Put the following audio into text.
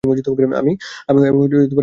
আমি --- কি বলতে চাও?